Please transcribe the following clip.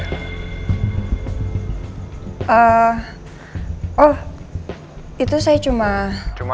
maka dia harus inovasi dengan bro juga